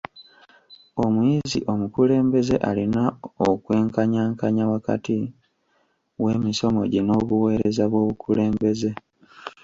Omuyizi omukulembeze alina okwenkanyankanya wakati w'emisomo gye n'obuweereza bw'obukulembeze.